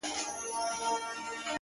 • خلگو شتنۍ د ټول جهان څخه راټولي كړې ـ